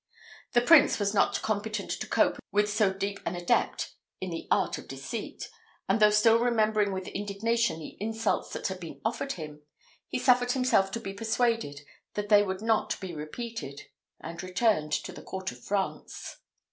The Prince was not competent to cope with so deep an adept in the art of deceit; and, though still remembering with indignation the insults that had been offered him, he suffered himself to be persuaded that they would not be repeated, and returned to the court of France.